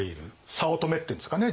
早乙女っていうんですかね